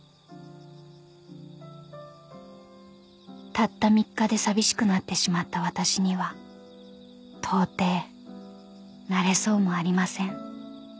［たった３日で寂しくなってしまった私にはとうていなれそうもありません］